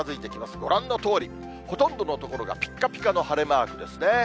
ご覧のとおり、ほとんどの所がぴっかぴかの晴れマークですね。